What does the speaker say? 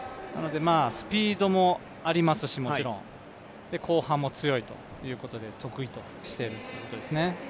スピードもありますし、後半も強いということで、得意としているということですね。